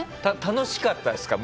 楽しかったですか？